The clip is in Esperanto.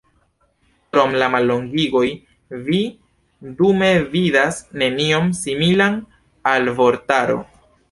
Krom la mallongigoj vi dume vidas nenion similan al vortaro.